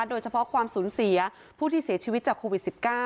โดยเฉพาะความสูญเสียผู้ที่เสียชีวิตจากโควิด๑๙